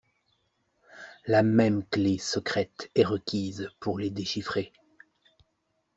La même clé secrète est requise pour les déchiffrer.